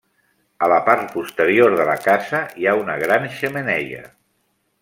A la part posterior de la casa hi ha una gran xemeneia.